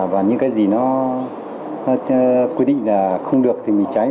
và những cái gì nó quy định là không được thì mình cháy